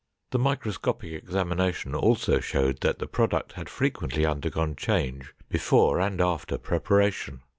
The microscopic examination also showed that the product had frequently undergone change before and after preparation.